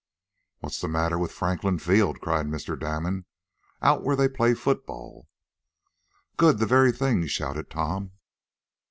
"What's the matter with Franklin Field?" cried Mr. Damon. "Out where they play football." "Good! The very thing!" shouted Tom.